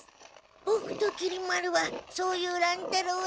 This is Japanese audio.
ボクときり丸はそういう乱太郎をながめて。